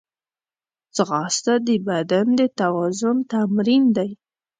ځغاسته د بدن د توازن تمرین دی